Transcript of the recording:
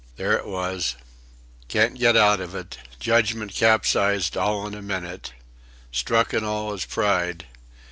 There it was... Can't get out of it. Judgment capsized all in a minute... Struck in all his pride...